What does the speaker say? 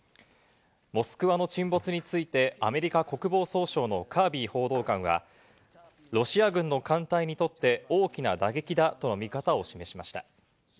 「モスクワ」の沈没についてアメリカ国防総省のカービー報道官はロシア軍の艦隊にとって大きな打撃だとの見方を示しました。